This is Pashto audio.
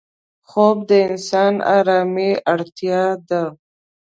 خوب د انسان آرامي اړتیا ده